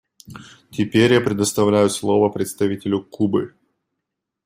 Теперь я предоставляю слово представителю Кубы.